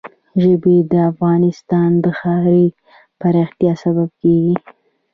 ژبې د افغانستان د ښاري پراختیا سبب کېږي.